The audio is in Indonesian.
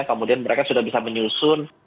kemudian mereka sudah bisa menyusun